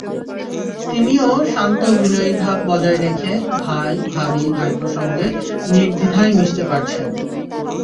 তিনিও শান্ত, বিনয়ী ভাব বজায় রেখে ভাই-ভাবি-ভাইপোর সঙ্গে নির্দ্বিধায় মিশতে পারছেন।